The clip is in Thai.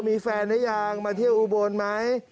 มีแฟนหรือยังมาเที่ยวอุบลไหม